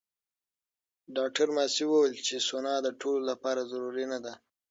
ډاکټره ماسي وویل چې سونا د ټولو لپاره ضروري نه ده.